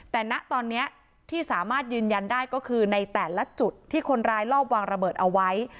แต่ณตอนนี้ที่สามารถยืนยันได้ก็คือในแต่ละจุดที่คนร้ายลอบวางระเบิดเอาไว้